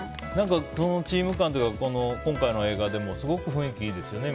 テーマ感というか今回の映画でもすごく雰囲気いいですね